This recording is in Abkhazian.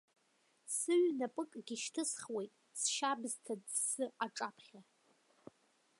Сыҩнапыкгьы шьҭысхуеит, сшьабсҭа-ӡсы аҿаԥхьа!